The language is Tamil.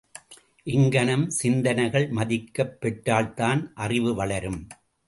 இங்ஙனம் சிந்தனைகள் மதிக்கப் பெற்றால்தான் அறிவு வளரும்.